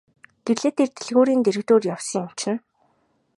Гэрлээ тэр дэлгүүрийн дэргэдүүр явсан юм чинь.